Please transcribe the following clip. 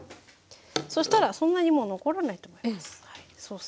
そしたらそんなにもう残らないと思います。